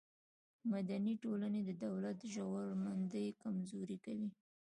مدني ټولنې د دولت زورمندي کمزورې کوي.